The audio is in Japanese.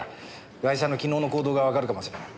ガイシャの昨日の行動がわかるかもしれん。